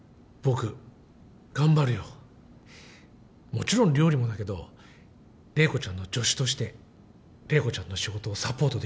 もちろん料理もだけど麗子ちゃんの助手として麗子ちゃんの仕事をサポートできるよう。